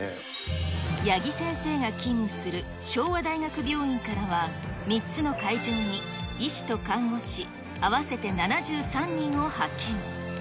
八木先生が勤務する昭和大学病院からは、３つの会場に医師と看護師、合わせて７３人を派遣。